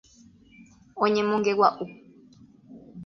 Oñemongegua'u.